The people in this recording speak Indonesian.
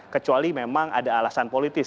kecuali memang ada alasan politis